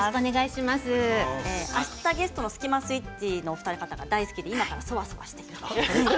明日のゲストのスキマスイッチのお二方が大好きで今からそわそわしているそうです。